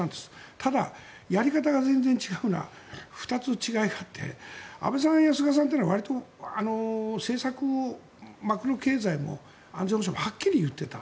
ただ、やり方が全然違うのは２つ、違いがあって安倍さんや菅さんはわりと政策をマクロ経済も安全保障もはっきり言ってた。